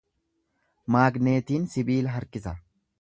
Maagneetiin sibiila harkisa.